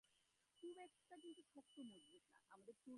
লোহার সিন্দুকের মধ্যে একটা টানা দেরাজ আছে।